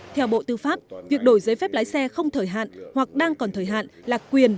theo bộ tư pháp việc đổi giấy phép lái xe không thời hạn hoặc đang còn thời hạn là quyền